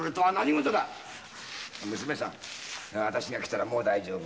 娘さん私が来たらもう大丈夫。